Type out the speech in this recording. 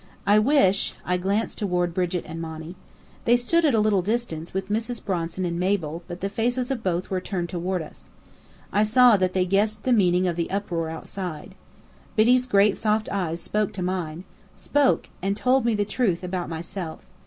I wish " I glanced toward Brigit and Monny. They stood at a little distance, with Mrs. Bronson and Mabel, but the faces of both were turned toward us. I saw that they guessed the meaning of the uproar outside. Biddy's great soft eyes spoke to mine, spoke, and told me all the truth about myself.